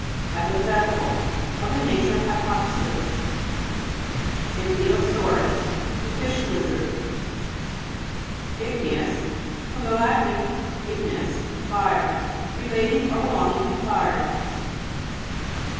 HYPO'THETICAL Of the nature of hypothesis. I'CHTHYOSAU'RUS The fish lizard (p. 57). IG'NEOUS fr. lat. ignis, fire. Re lating or belonging to fire.